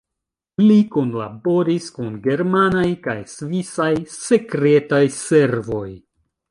Li kunlaboris kun germanaj kaj svisaj sekretaj servoj.